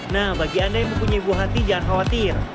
nah bagi anda yang mempunyai buah hati jangan khawatir